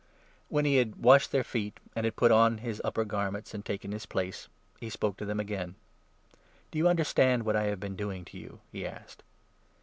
When he 12 had washed their feet, and had put on his upper garments and taken his place, he spoke to them again. " Do you understand what I have been doing to you? " he asked.